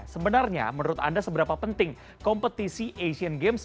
sebenarnya menurut anda seberapa penting kompetisi asian games